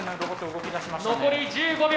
残り１５秒。